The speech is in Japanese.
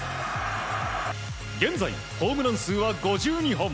現在、ホームラン数は５２本。